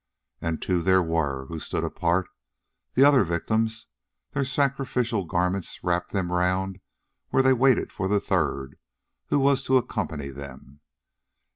And two there were, who stood apart: the other victims their sacrificial garments wrapped them round where they waited for the third who was to accompany them.